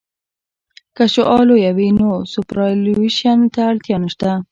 که شعاع لویه وي نو سوپرایلیویشن ته اړتیا نشته